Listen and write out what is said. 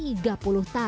ibu generasi berapa